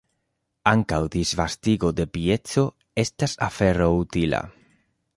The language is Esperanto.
Ankaŭ disvastigo de pieco estas afero utila.